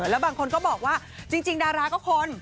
แล้วบางคนก็บอกว่าจริงดาราก็คน